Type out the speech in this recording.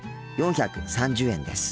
４３０円です。